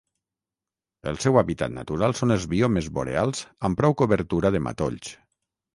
El seu hàbitat natural són els biomes boreals amb prou cobertura de matolls.